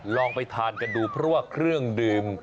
ลองไปทานกันดูไซน์ของเครื่องดืม